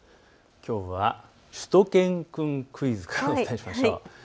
きょうはしゅと犬くんクイズからお伝えしましょう。